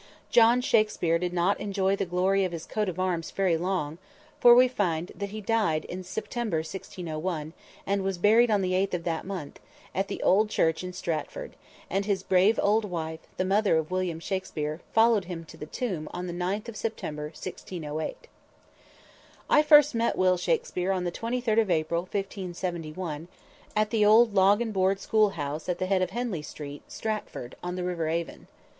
John Shakspere did not enjoy the glory of his "coat of arms" very long, for we find that he died in September, 1601, and was buried on the 8th of that month, at the old church in Stratford, and his brave old wife, the mother of William Shakspere, followed him to the tomb on the 9th of September, 1608. I first met Will Shakspere on the 23d of April, 1571, at the old log and board schoolhouse at the head of Henley street, Stratford, on the river Avon.